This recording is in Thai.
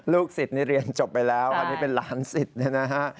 ลูกศิษย์นี่เรียนจบไปแล้วอันนี้เป็นหลานศิษย์นะฮะ